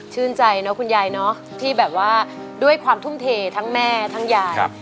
ใจเนอะคุณยายเนอะที่แบบว่าด้วยความทุ่มเททั้งแม่ทั้งยาย